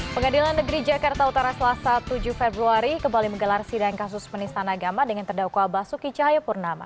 pengadilan negeri jakarta utara selasa tujuh februari kembali menggelar sidang kasus penistaan agama dengan terdakwa basuki cahayapurnama